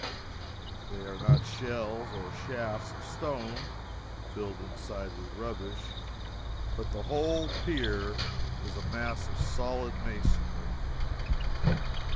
They are not shells or shafts of stone filled inside with rubbish, but the whole pier is a mass of solid masonry.